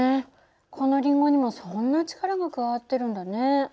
このりんごにもそんな力が加わってるんだね。